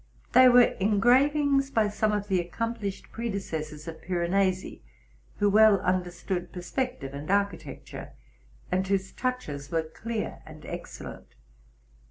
They were engravings by some of the accomplished predecessors of Piranesi, who well under stood perspective and architecture, and whose touches were clear and excellent.